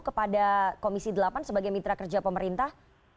kepada komisi delapan sebagai mitra kerja pemerintah